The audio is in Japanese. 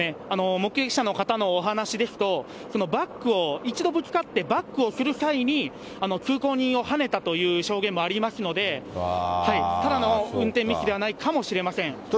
目撃者の方のお話ですと、バックを、一度ぶつかってバックをする際に、通行人をはねたという証言もありますので、ただの運転ミスではないかもしれません。